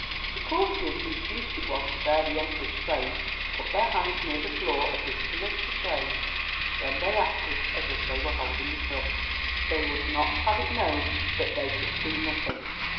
The courtiers whose duty it was to bear the Emperor's train put their hands near the floor as if to lift the train; then they acted as if they were holding it up. They would not have it known that they could see nothing.